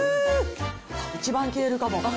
一番消えるかも。